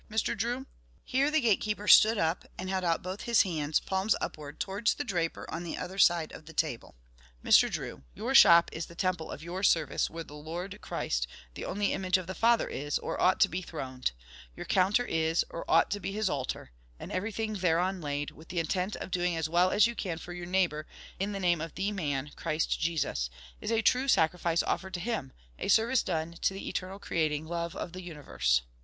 Mr. Drew!" Here the gate keeper stood up, and held out both his hands, palms upward, towards the draper on the other side of the table. "Mr. Drew! your shop is the temple of your service where the Lord Christ, the only image of the Father is, or ought to be throned; your counter is, or ought to be his altar; and everything thereon laid, with intent of doing as well as you can for your neighbour, in the name of THE man Christ Jesus, is a true sacrifice offered to Him, a service done to the eternal creating Love of the universe."